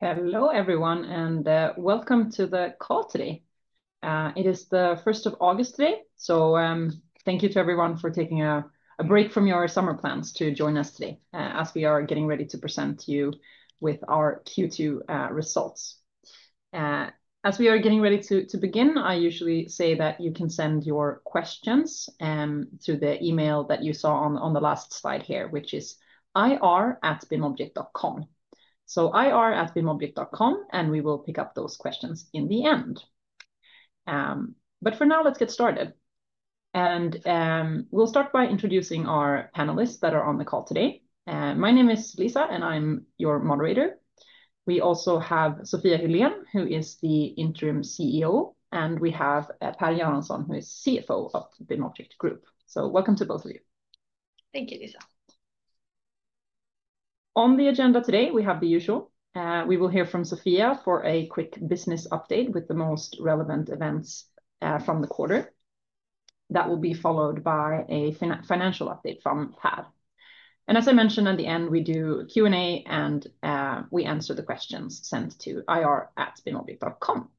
Hello, everyone, and welcome to the call today. It is the 1st of August today. Thank you to everyone for taking a break from your summer plans to join us today as we are getting ready to present you with our Q2 results. As we are getting ready to begin, I usually say that you can send your questions to the email that you saw on the last slide here, which is ir@bimobject.com. Ir@bimobject.com, and we will pick up those questions in the end. For now, let's get started. We'll start by introducing our panelists that are on the call today. My name is Lisa, and I'm your moderator. We also have Sofia Hylén, who is the Interim CEO, and we have Per Göransson, who is CFO of BIMobject AB. Welcome to both of you. Thank you, Lisa. On the agenda today, we have the usual. We will hear from Sofia for a quick business update with the most relevant events from the quarter. That will be followed by a financial update from Per. As I mentioned, at the end, we do Q&A, and we answer the questions sent to ir@bimobject.com.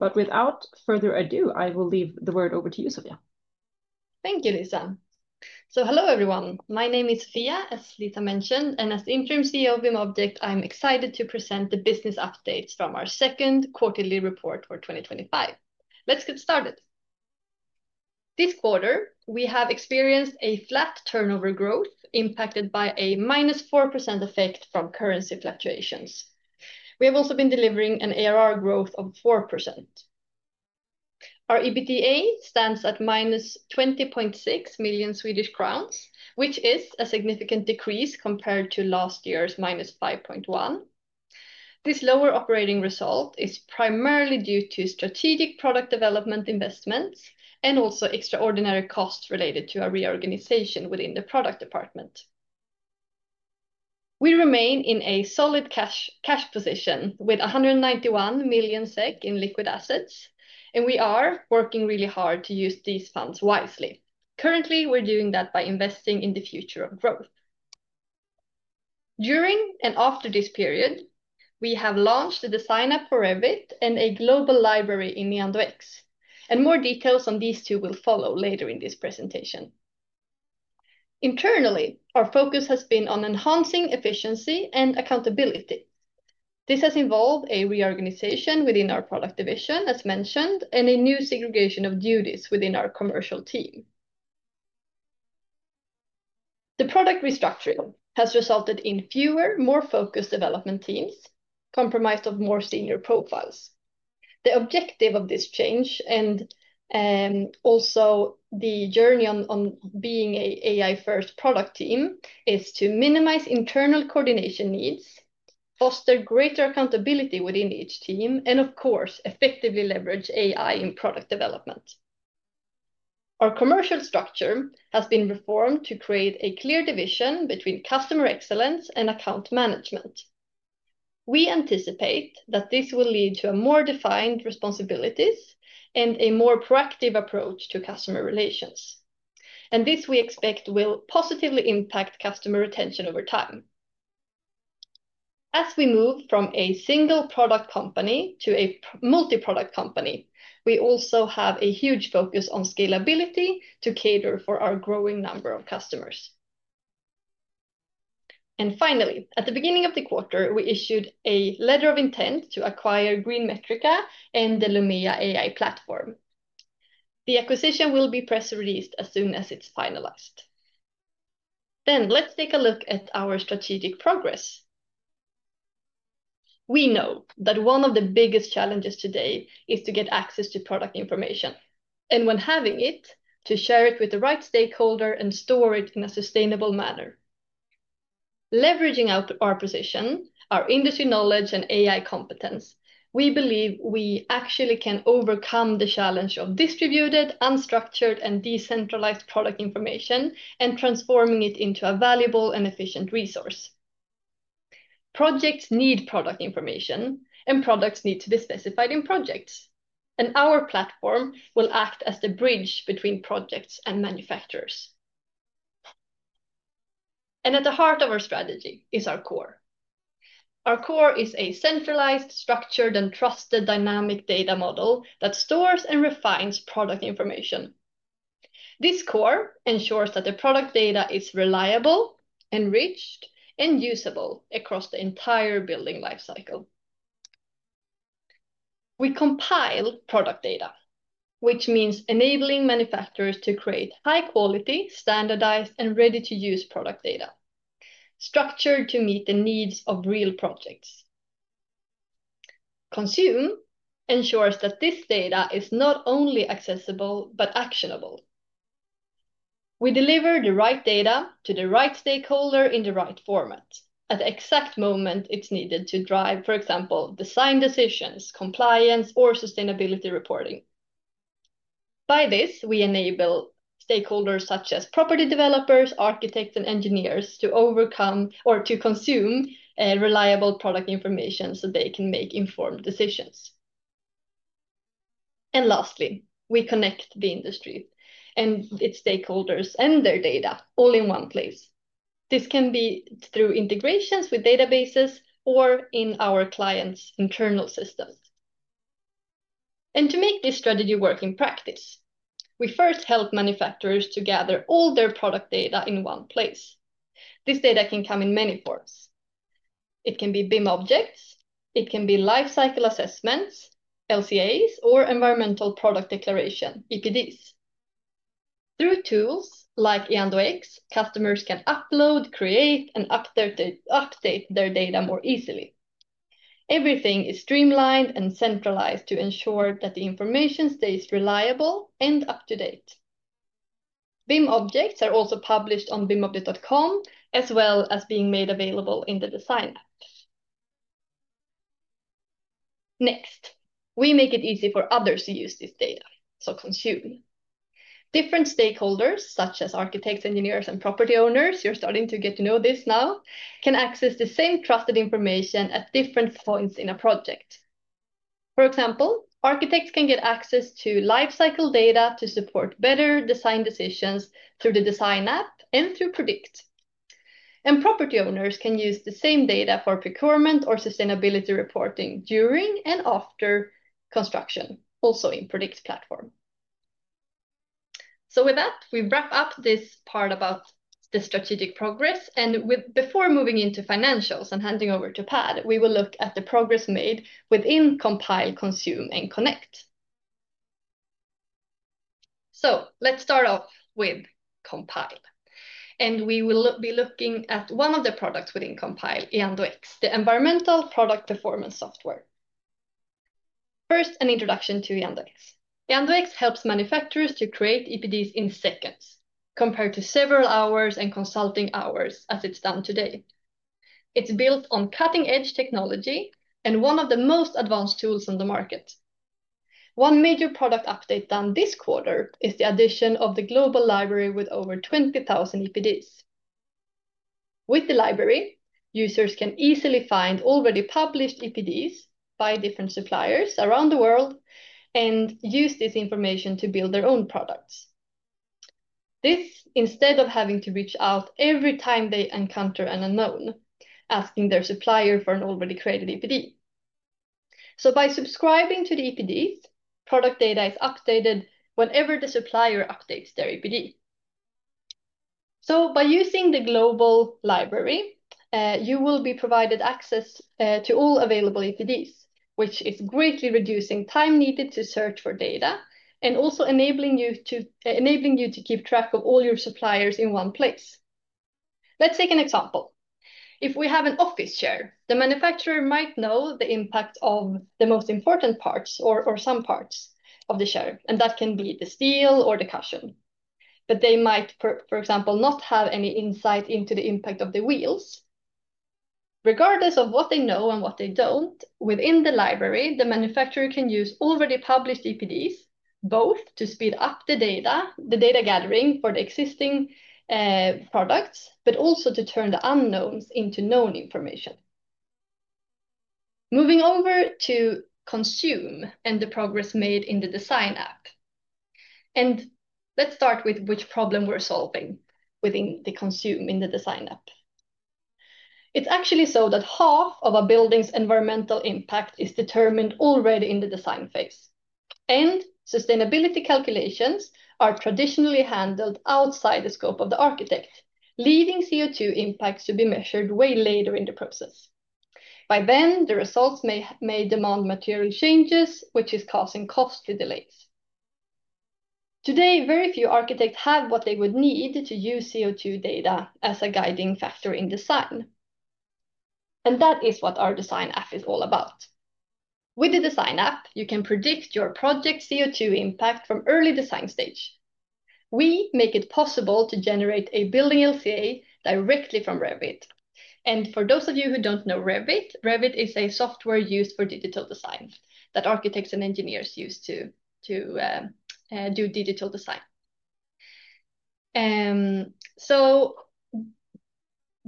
Without further ado, I will leave the word over to you, Sofia. Thank you, Lisa. Hello, everyone. My name is Fia, as Lisa mentioned, and as the Interim CEO of BIMobject AB, I'm excited to present the business updates from our second quarterly report for 2025. Let's get started. This quarter, we have experienced a flat turnover growth impacted by a -4% effect from currency fluctuations. We have also been delivering an ARR growth of 4%. Our EBITDA stands at -20.6 million Swedish crowns, which is a significant decrease compared to last year's -5.1 million. This lower operating result is primarily due to strategic product development investments and also extraordinary costs related to our reorganization within the product department. We remain in a solid cash position with 191 million SEK in liquid assets, and we are working really hard to use these funds wisely. Currently, we're doing that by investing in the future of growth. During and after this period, we have launched the design application for Revit and a globall library in Neander-X. More details on these two will follow later in this presentation. Internally, our focus has been on enhancing efficiency and accountability. This has involved a reorganization within our product division, as mentioned, and a new segregation of duties within our commercial team. The product restructuring has resulted in fewer, more focused development teams comprised of more senior profiles. The objective of this change and also the journey on being an AI-first product team is to minimize internal coordination needs, foster greater accountability within each team, and, of course, effectively leverage AI in product development. Our commercial structure has been reformed to create a clear division between customer excellence and account management. We anticipate that this will lead to more defined responsibilities and a more proactive approach to customer relations. We expect this will positively impact customer retention over time. As we move from a single product company to a multi-product company, we also have a huge focus on scalability to cater for our growing number of customers. Finally, at the beginning of the quarter, we issued a letter of intent to acquire GreenMetrica and the Lumea AI Platform. The acquisition will be press-released as soon as it's finalized. Let's take a look at our strategic progress. We know that one of the biggest challenges today is to get access to product information, and when having it, to share it with the right stakeholder and store it in a sustainable manner. Leveraging our position, our industry knowledge, and AI competence, we believe we actually can overcome the challenge of distributed, unstructured, and decentralized product information and transforming it into a valuable and efficient resource. Projects need product information, and products need to be specified in projects. Our platform will act as the bridge between projects and manufacturers. At the heart of our strategy is our core. Our core is a centralized, structured, and trusted dynamic data model that stores and refines product information. This core ensures that the product data is reliable, enriched, and usable across the entire building lifecycle. We compile product data, which means enabling manufacturers to create high-quality, standardized, and ready-to-use product data, structured to meet the needs of real projects. Consume ensures that this data is not only accessible but actionable. We deliver the right data to the right stakeholder in the right format at the exact moment it's needed to drive, for example, design decisions, compliance, or sustainability reporting. By this, we enable stakeholders such as property developers, architects, and engineers to overcome or to consume reliable product information so they can make informed decisions. Lastly, we connect the industry and its stakeholders and their data all in one place. This can be through integrations with databases or in our clients' internal systems. To make this strategy work in practice, we first help manufacturers to gather all their product data in one place. This data can come in many forms. It can be BIM objects, it can be lifecycle assessments, LCAs, or environmental product declarations, EPDs. Through tools like Neander-X, customers can upload, create, and update their data more easily. Everything is streamlined and centralized to ensure that the information stays reliable and up to date. BIM objects are also published on bimobject.com, as well as being made available in the design application. Next, we make it easy for others to use this data, so consume. Different stakeholders, such as architects, engineers, and property owners, you're starting to get to know this now, can access the same trusted information at different points in a project. For example, architects can get access to lifecycle data to support better design decisions through the design application and through Prodikt. Property owners can use the same data for procurement or sustainability reporting during and after construction, also in Prodikt's platform. With that, we wrap up this part about the strategic progress. Before moving into financials and handing over to Per Göransson, we will look at the progress made within Compile, Consume, and Connect. Let's start off with Compile. We will be looking at one of the products within Compile, Neander-X, the environmental product performance software. First, an introduction to Neander-X. Neander-X helps manufacturers to create EPDs in seconds compared to several hours and consulting hours as it's done today. It's built on cutting-edge technology and is one of the most advanced tools on the market. One major product update done this quarter is the addition of the global EPD library with over 20,000 EPDs. With the library, users can easily find already published EPDs by different suppliers around the world and use this information to build their own products. This is instead of having to reach out every time they encounter an unknown, asking their supplier for an already created EPD. By subscribing to the EPDs, product data is updated whenever the supplier updates their EPD. By using the global EPD library, you will be provided access to all available EPDs, which greatly reduces the time needed to search for data and also enables you to keep track of all your suppliers in one place. Let's take an example. If we have an office chair, the manufacturer might know the impact of the most important parts or some parts of the chair, and that can be the steel or the cushion. They might, for example, not have any insight into the impact of the wheels. Regardless of what they know and what they don't, within the library, the manufacturer can use already published EPDs both to speed up the data gathering for the existing products and to turn the unknowns into known information. Moving over to Consume and the progress made in the design application. Let's start with which problem we're solving within Consume in the design application. It's actually so that half of a building's environmental impact is determined already in the design phase. Sustainability calculations are traditionally handled outside the scope of the architect, leaving CO2 impacts to be measured way later in the process. By then, the results may demand material changes, which is causing costly delays. Today, very few architects have what they would need to use CO2 data as a guiding factor in design. That is what our design application is all about. With the design application, you can predict your project's CO2 impact from the early design stage. We make it possible to generate a building LCA directly from Revit. For those of you who don't know Revit, Revit is a software used for digital design that architects and engineers use to do digital design.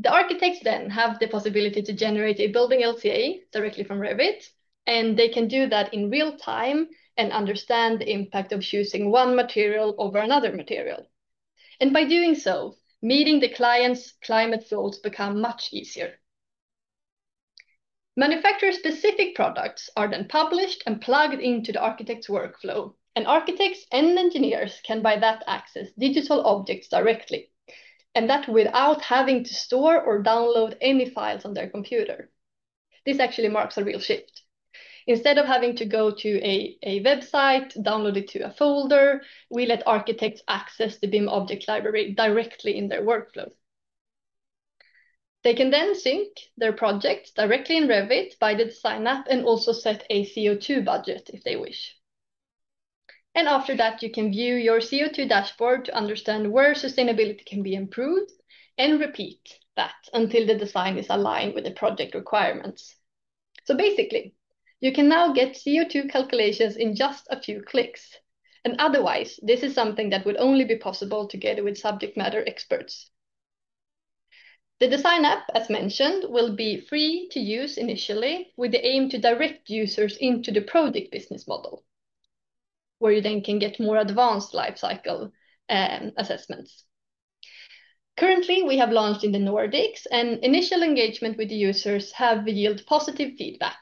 The architects then have the possibility to generate a building LCA directly from Revit, and they can do that in real time and understand the impact of choosing one material over another material. By doing so, meeting the client's climate goals becomes much easier. Manufacturer-specific products are then published and plugged into the architect's workflow. Architects and engineers can by that access digital objects directly, and that's without having to store or download any files on their computer. This actually marks a real shift. Instead of having to go to a website, download it to a folder, we let architects access the BIMobject library directly in their workflow. They can then sync their projects directly in Revit by the design application and also set a CO2 budget if they wish. After that, you can view your CO2 dashboard to understand where sustainability can be improved and repeat that until the design is aligned with the project requirements. Basically, you can now get CO2 calculations in just a few clicks. Otherwise, this is something that would only be possible together with subject matter experts. The design application, as mentioned, will be free to use initially with the aim to direct users into the project business model, where you then can get more advanced lifecycle assessments. Currently, we have launched in the Nordics, and initial engagement with the users has yielded positive feedback.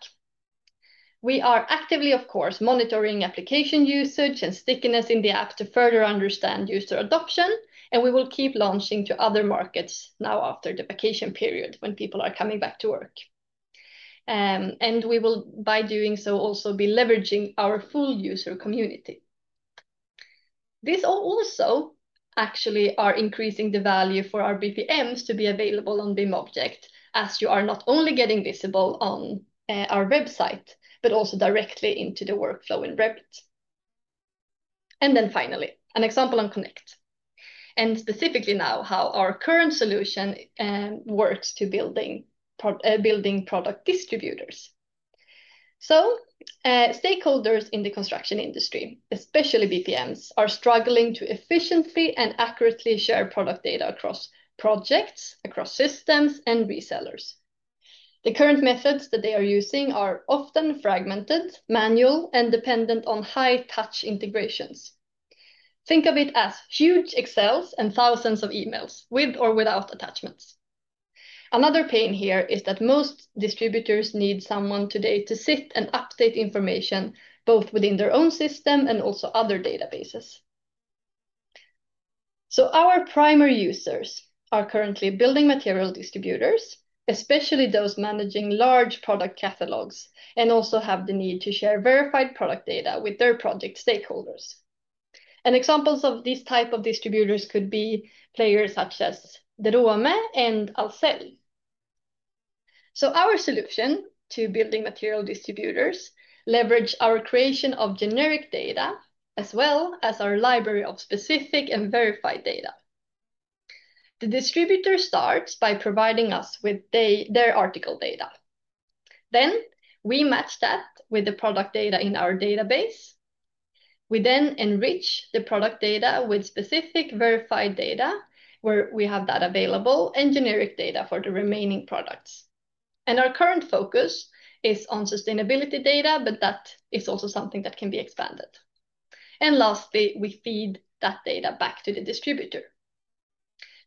We are actively, of course, monitoring application usage and stickiness in the application to further understand user adoption. We will keep launching to other markets now after the vacation period when people are coming back to work. We will, by doing so, also be leveraging our full user community. These also actually are increasing the value for our BPMs to be available on BIMobject, as you are not only getting visible on our website, but also directly into the workflow in Revit. Finally, an example on Connect. Specifically now, how our current solution works to building product distributors. Stakeholders in the construction industry, especially BPMs, are struggling to efficiently and accurately share product data across projects, across systems, and resellers. The current methods that they are using are often fragmented, manual, and dependent on high-touch integrations. Think of it as huge Excels and thousands of emails with or without attachments. Another pain here is that most distributors need someone today to sit and update information both within their own system and also other databases. Our primary users are currently building material distributors, especially those managing large product catalogs, and also have the need to share verified product data with their project stakeholders. Examples of this type of distributors could be players such as Derome and Ahlsell. Our solution to building material distributors leverages our creation of generic data as well as our library of specific and verified data. The distributor starts by providing us with their article data. We match that with the product data in our database. We then enrich the product data with specific verified data where we have that available and generic data for the remaining products. Our current focus is on sustainability data, but that is also something that can be expanded. Lastly, we feed that data back to the distributor.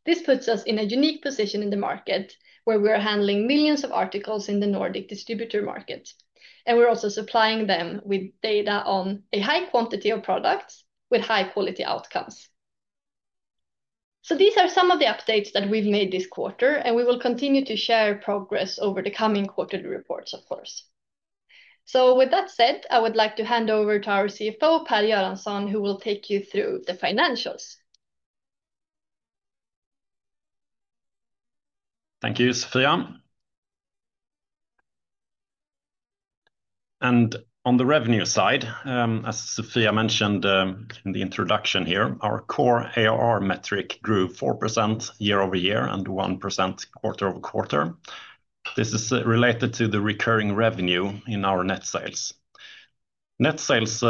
This puts us in a unique position in the market where we are handling millions of articles in the Nordic distributor market. We are also supplying them with data on a high quantity of products with high-quality outcomes. These are some of the updates that we've made this quarter, and we will continue to share progress over the coming quarterly reports, of course. With that said, I would like to hand over to our CFO, Per Göransson, who will take you through the financials. Thank you, Sofia. On the revenue side, as Sofia mentioned in the introduction here, our core ARR metric grew 4% year-over-year and 1% quarter-over-quarter. This is related to the recurring revenue in our net sales. Net sales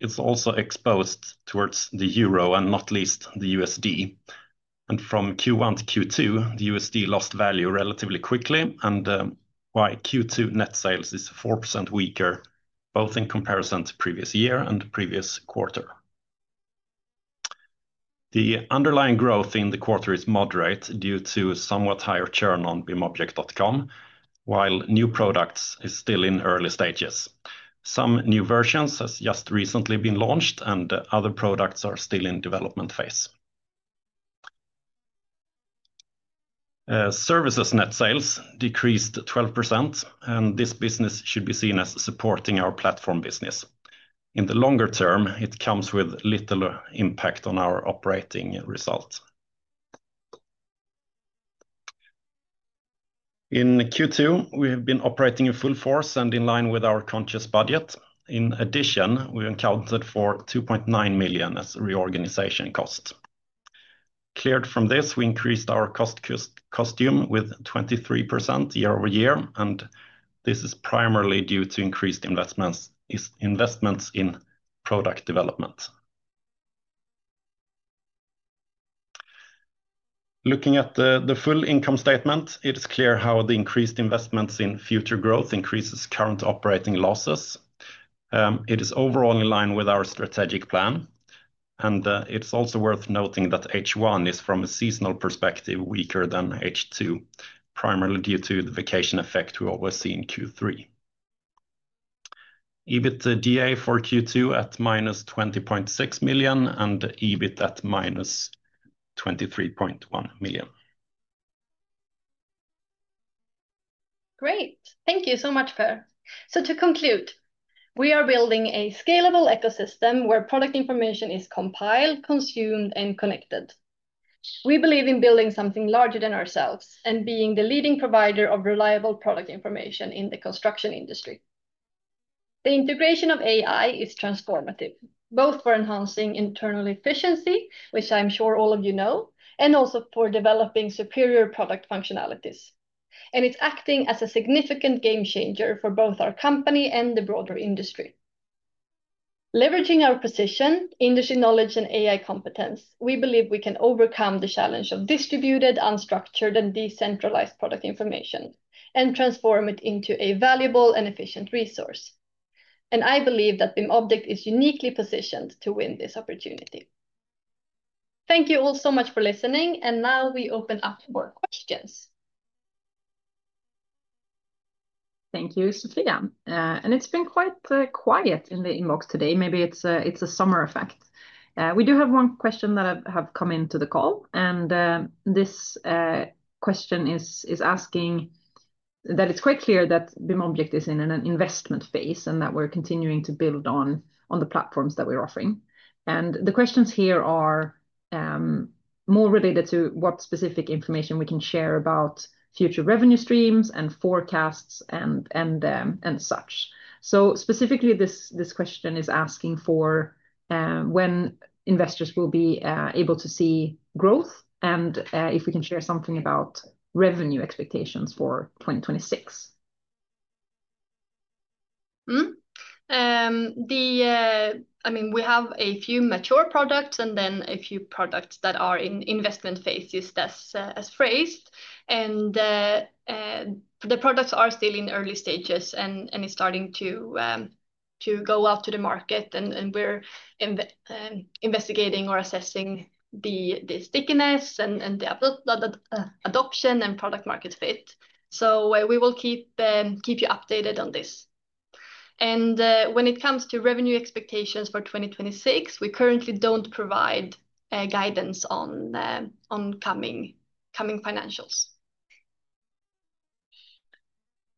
is also exposed towards the euro and not least the USD. From Q1 to Q2, the USD lost value relatively quickly. By Q2, net sales is 4% weaker, both in comparison to the previous year and the previous quarter. The underlying growth in the quarter is moderate due to somewhat higher churn on bimobject.com, while new products are still in early stages. Some new versions have just recently been launched, and other products are still in the development phase. Services net sales decreased 12%, and this business should be seen as supporting our platform business. In the longer term, it comes with little impact on our operating results. In Q2, we have been operating in full force and in line with our conscious budget. In addition, we accounted for 2.9 million as reorganization cost. Cleared from this, we increased our cost costume with 23% year-over-year, and this is primarily due to increased investments in product development. Looking at the full income statement, it is clear how the increased investments in future growth increase current operating losses. It is overall in line with our strategic plan. It is also worth noting that H1 is, from a seasonal perspective, weaker than H2, primarily due to the vacation effect we always see in Q3. EBITDA for Q2 at -20.6 million and EBIT at -23.1 million. Thank you so much, Per. To conclude, we are building a scalable ecosystem where product information is compiled, consumed, and connected. We believe in building something larger than ourselves and being the leading provider of reliable product information in the construction industry. The integration of AI is transformative, both for enhancing internal efficiency, which I'm sure all of you know, and also for developing superior product functionalities. It is acting as a significant game changer for both our company and the broader industry. Leveraging our position, industry knowledge, and AI competence, we believe we can overcome the challenge of distributed, unstructured, and decentralized product information and transform it into a valuable and efficient resource. I believe that BIMobject is uniquely positioned to win this opportunity. Thank you all so much for listening. We now open up for questions. Thank you, Sofia. It's been quite quiet in the inbox today. Maybe it's a summer effect. We do have one question that has come into the call. This question is asking that it's quite clear that BIMobject is in an investment phase and that we're continuing to build on the platforms that we're offering. The questions here are more related to what specific information we can share about future revenue streams and forecasts and such. Specifically, this question is asking for when investors will be able to see growth and if we can share something about revenue expectations for 2026. We have a few mature products and then a few products that are in investment phase, just as phrased. The products are still in early stages and are starting to go out to the market. We're investigating or assessing the stickiness and the adoption and product-market fit. We will keep you updated on this. When it comes to revenue expectations for 2026, we currently don't provide guidance on coming financials.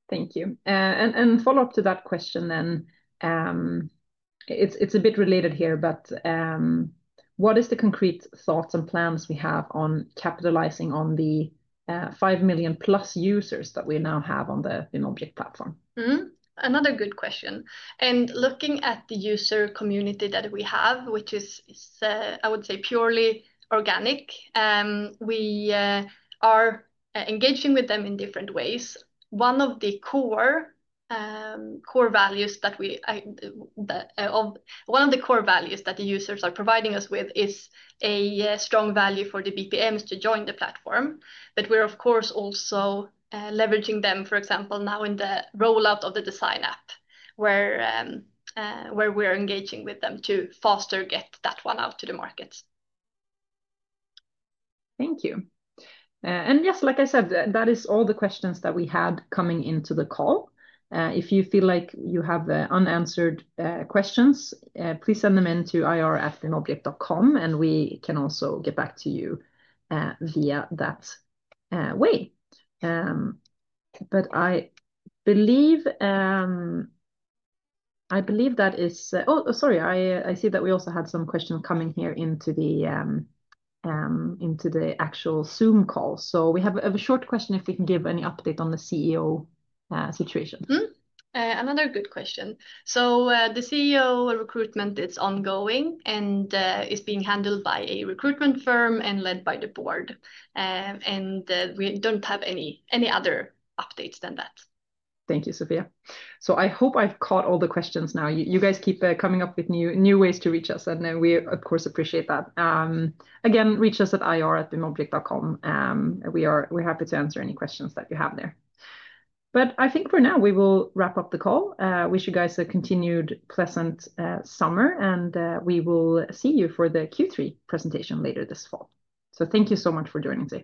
Thank you. A follow up to that question, then. It's a bit related here, but what are the concrete thoughts and plans we have on capitalizing on the 5 million+ users that we now have on the BIMobject platform? Another good question. Looking at the user community that we have, which is, I would say, purely organic, we are engaging with them in different ways. One of the core values that the users are providing us with is a strong value for the BPMs to join the platform. We are, of course, also leveraging them, for example, now in the rollout of the design application where we're engaging with them to foster that one out to the markets. Thank you. Yes, like I said, that is all the questions that we had coming into the call. If you feel like you have unanswered questions, please send them into ir@bimobject.com, and we can also get back to you that way. I believe that is—oh, sorry, I see that we also had some questions coming here into the actual Zoom call. We have a short question if we can give any update on the CEO situation. Another good question. The CEO recruitment is ongoing and is being handled by a recruitment firm and led by the board. We don't have any other updates than that. Thank you, Sofia. I hope I've caught all the questions now. You guys keep coming up with new ways to reach us, and we, of course, appreciate that. Again, reach us at ir@bimobject.com. We are happy to answer any questions that you have there. I think for now, we will wrap up the call. I wish you guys a continued pleasant summer, and we will see you for the Q3 presentation later this fall. Thank you so much for joining us.